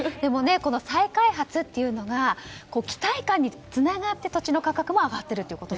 再開発というのが期待感につながって土地の価格も上がっていると。